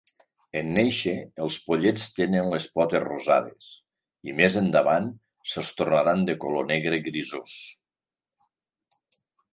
En néixer, els pollets tenen les potes rosades, i més endavant se'ls tornaran de color negre grisós.